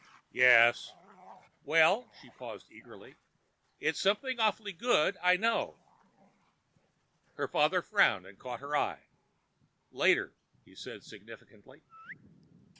"Yes." "Well——?" She paused eagerly. "It's something awfully good—I know." Her father frowned and caught her eye. "Later," he said significantly.